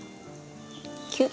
キュッ。